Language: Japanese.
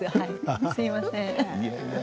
すみません。